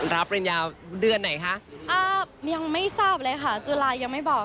ปริญญาเดือนไหนคะอ่ายังไม่ทราบเลยค่ะจุฬายังไม่บอก